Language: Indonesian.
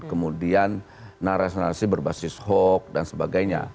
kemudian narasi narasi berbasis hoax dan sebagainya